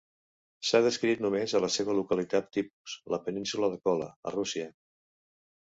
S'ha descrit només a la seva localitat tipus, la Península de Kola, a Rússia.